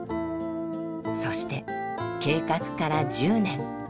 そして計画から１０年。